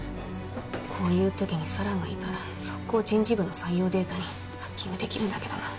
こういう時に四朗がいたら即行人事部の採用データにハッキングできるんだけどな。